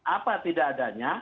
apa tidak adanya